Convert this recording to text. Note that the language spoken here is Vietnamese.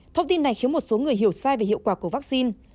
thông tin này khiến một số người hiểu sai về hiệu quả của vaccine